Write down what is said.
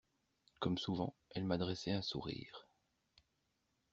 Comme souvent, elle m'adressait un sourire.